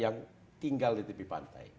yang tinggal di tepi pantai